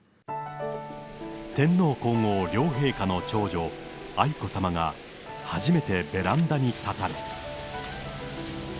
天皇皇后両陛下の愛子さまが、初めてベランダに立たれ。